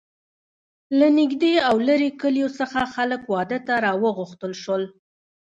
له نږدې او لرې کلیو څخه خلک واده ته را وغوښتل شول.